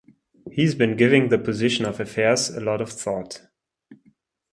He's been giving the position of affairs a lot of thought.